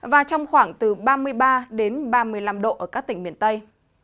và trong khoảng từ ba mươi ba đến ba mươi năm độ ở các tỉnh miền tây